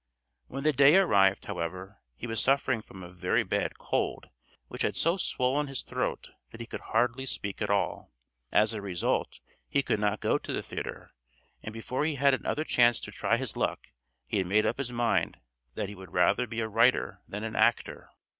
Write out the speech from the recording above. When the day arrived, however, he was suffering from a very bad cold which had so swollen his throat that he could hardly speak at all. As a result he could not go to the theatre, and before he had another chance to try his luck he had made up his mind that he would rather be a writer than an actor.